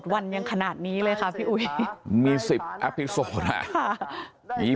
วันยังขนาดนี้เลยครับพี่อุ๊ยมีสิบอัพพิสโสต์อ่ะค่ะนี้